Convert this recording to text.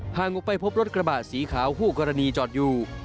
งออกไปพบรถกระบะสีขาวคู่กรณีจอดอยู่